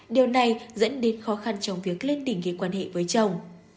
điều này dẫn đến khó khăn trong việc lên đỉnh ghế quan hệ với chồng